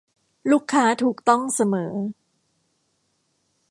ลูกค้าถูกต้องเสมอ